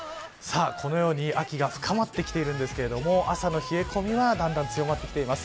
このように秋が深まってきているんですけど朝の冷え込みはだんだん強まってきています。